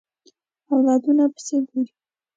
اولادونو پسې ګوري